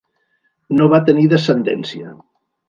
No va tenir descendència.